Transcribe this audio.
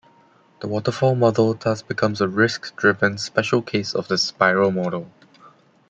The waterfall model thus becomes a risk-driven special case of the spiral model.